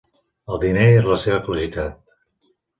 El diner és la seva felicitat.